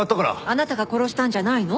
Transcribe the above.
あなたが殺したんじゃないの？